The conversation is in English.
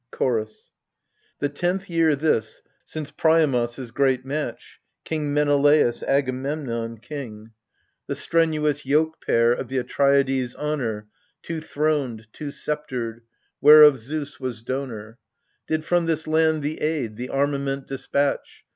CHOROS. The tenth year this, since Priamos' great match, King Menelaos, Agamemnon King, 6 AGAMEMNON. — The strenuous yoke pair of the Atreidai's honor Two throned, two sceptred, whereof Zeus was donor Did from this land the aid, the armament dispatch.